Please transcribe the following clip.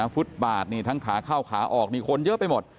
ฟุตบาทนี่ทั้งขาเข้าขาออกนี่คนเยอะไปหมด